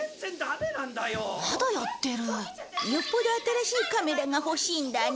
よっぽど新しいカメラが欲しいんだね。